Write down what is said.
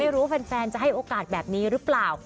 ว่าแฟนจะให้โอกาสแบบนี้หรือเปล่า